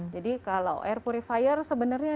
jadi kalau air purifier sebenarnya